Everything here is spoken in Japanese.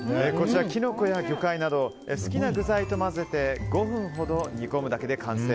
キノコや魚介など好きな具材と混ぜて５分ほど煮込むだけで完成。